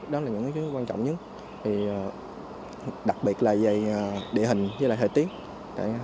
đó là những thứ quan trọng nhất đặc biệt là về địa hình và hơi tiết